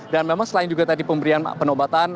dan memang selain juga tadi pemberian penobatan